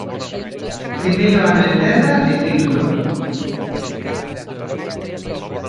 Primeiro ano en terra, e título.